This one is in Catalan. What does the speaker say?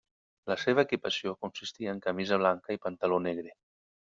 La seva equipació consistia en camisa blanca i pantaló negre.